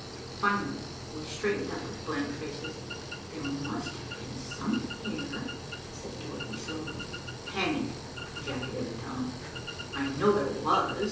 Finally we straightened up with blank faces. "There must have been something there," said Dorothy slowly. "Hang it," ejaculated Tom, "I know there was.